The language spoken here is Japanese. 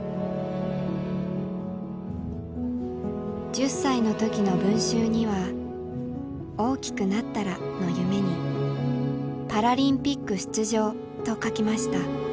１０歳の時の文集には「大きくなったら」の夢にパラリンピック出場と書きました。